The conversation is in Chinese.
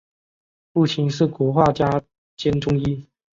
父亲是国画家兼中医。